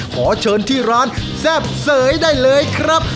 ขอเชิญที่ร้านแซ่บเสยได้เลยครับ